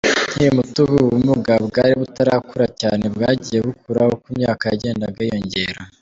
Nkiri muto ubu bumuga bwari butarakura cyane, bwagiye bukura uko imyaka yagendaga yiyongera.